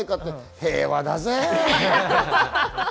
平和だぜ。